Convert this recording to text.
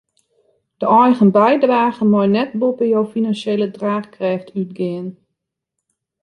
De eigen bydrage mei net boppe jo finansjele draachkrêft útgean.